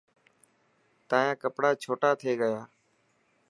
تايان ڪپڙا ڇوٽا ٿي گيا.